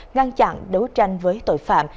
ngăn chặn đấu tranh với tội phạm